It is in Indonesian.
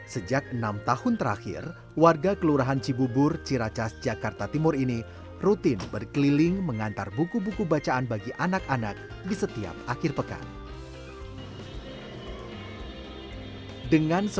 sejak enam tahun terakhir warga kelurahan cibubur ciracas jakarta timur ini rutin berkeliling mengantar buku buku bacaan bagi anak anak di setiap akhir pekan